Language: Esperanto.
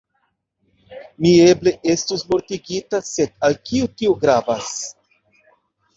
Mi eble estus mortigita, sed al kio tio gravas.